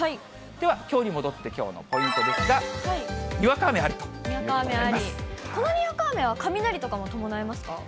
ではきょうに戻って、きょうのポイントですが、このにわか雨は、雷とかも伴いますか？